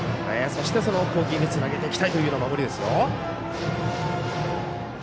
そして、攻撃につなげていきたいという守りですよ。